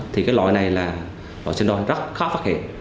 thì cái loại này là loại xinh đôi rất khó phát hiện